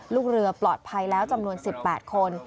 ลูกเรือปลอดภัยแล้วจำนวน๑๘คน